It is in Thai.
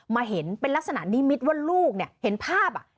เห็นเป็นลักษณะนิมิตว่าลูกเนี่ยเห็นภาพ